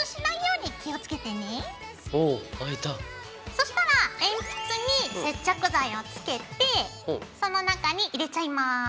そしたら鉛筆に接着剤をつけてその中に入れちゃいます。